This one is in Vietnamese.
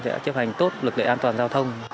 sẽ chấp hành tốt luật lệ an toàn giao thông